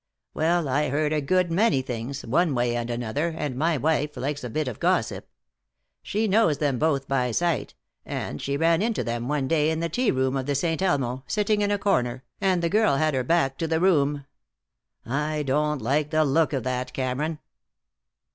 "Well, I hear a good many things, one way and another, and my wife likes a bit of gossip. She knows them both by sight, and she ran into them one day in the tea room of the Saint Elmo, sitting in a corner, and the girl had her back to the room. I don't like the look of that, Cameron."